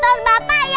motos bapak ya